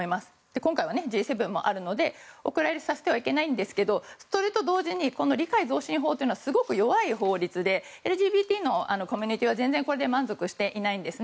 今回はＧ７もあるのでお蔵入りさせてはいけないんですけどそれと同時に理解増進法というのはすごく弱い法律でＬＧＢＴのコミュニティーは全然これで満足していないんですね。